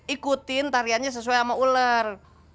ikutin tariannya sesuai sama ular